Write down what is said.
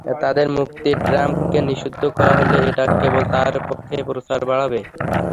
তাঁদের যুক্তি, ট্রাম্পকে নিষিদ্ধ করা হলে এটা কেবল তাঁর পক্ষেই প্রচার বাড়াবে।